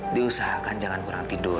diusahakan jangan kurang tidur